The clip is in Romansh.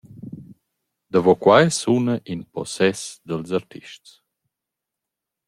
Davo quai suna in possess dals artists.